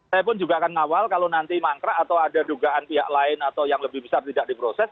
saya pun juga akan ngawal kalau nanti mangkrak atau ada dugaan pihak lain atau yang lebih besar tidak diproses